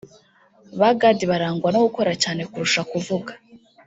Ba Gad barangwa nogukora cyane kurusha kuvuga